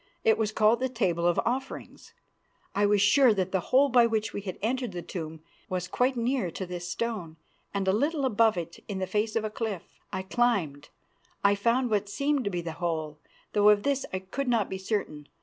It was called the Table of Offerings. I was sure that the hole by which we had entered the tomb was quite near to this stone and a little above it, in the face of the cliff. I climbed; I found what seemed to be the hole, though of this I could not be certain.